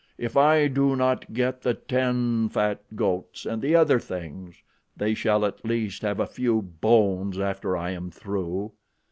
"If I do not get the ten fat goats and the other things, they shall at least have a few bones after I am through."